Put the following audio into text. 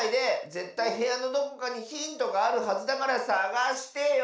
ぜったいへやのどこかにヒントがあるはずだからさがしてよ！